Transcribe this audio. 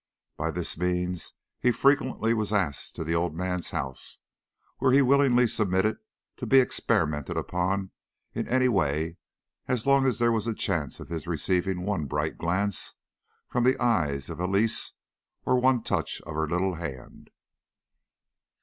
By this means he frequently was asked to the old man's house, where he willingly submitted to be experimented upon in any way as long as there was a chance of his receiving one bright glance from the eyes of Elise or one touch of her little hand.